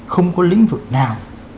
không có lĩnh vực nào